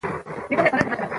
دغه موضوع باید جدي ونیول سي.